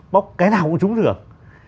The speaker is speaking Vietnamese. bóc cái nào cũng trúng thưởng